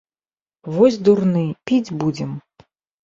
Вось дурны, піць будзем.